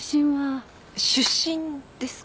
出身ですか？